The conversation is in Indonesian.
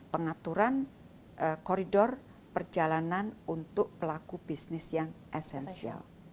pengaturan koridor perjalanan untuk pelaku bisnis yang esensial